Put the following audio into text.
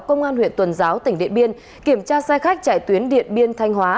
công an huyện tuần giáo tỉnh điện biên kiểm tra xe khách chạy tuyến điện biên thanh hóa